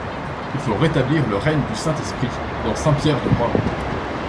Il faut rétablir le règne du Saint-Esprit dans Saint-Pierre de Rome!